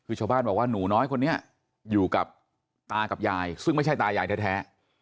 คือชาวบ้านบอกว่าหนูน้อยคนนี้อยู่กับตากับยายซึ่งไม่ใช่ตายายแท้